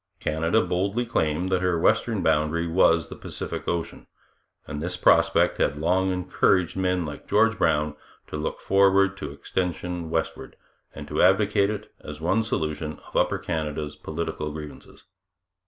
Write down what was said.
Canada boldly claimed that her western boundary was the Pacific ocean, and this prospect had long encouraged men like George Brown to look forward to extension westward, and to advocate it, as one solution of Upper Canada's political grievances.